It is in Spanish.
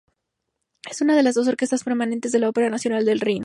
Es una de las dos orquestas permanentes de la Ópera nacional del Rin.